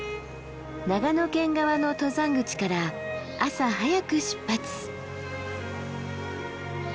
長野県側の登山口から朝早く出発。